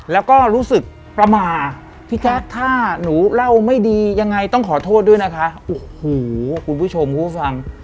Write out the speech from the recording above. แล้วก็รู้สึกประมาทพี่แจ๊คถ้าหนูเล่าไม่ดียังไงต้องขอโทษด้วยนะคะโอ้โหคุณผู้ชมผู้ฟัง